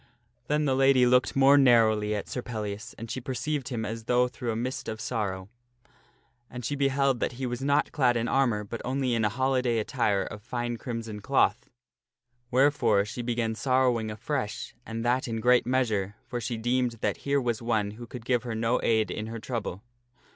Then the lady looked more narrowly at Sir Pellias, and she perceived him as though through a mist of sorrow. And she beheld that he was not clad in armor, but only in a holiday attire of fine crimson cloth. Where fore she began sorrowing afresh, and that in great measure, for she deemed that here was one who could give her no aid in her trouble.